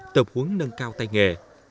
tập huấn nâng cao tay nghề